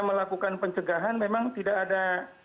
melakukan pencegahan memang tidak ada